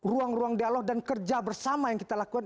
ruang ruang dialog dan kerja bersama yang kita lakukan